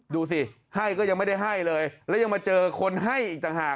ดูสิให้ก็ยังไม่ได้ให้เลยแล้วยังมาเจอคนให้อีกต่างหาก